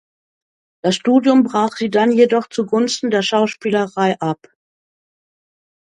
Das Studium brach sie dann jedoch zugunsten der Schauspielerei ab.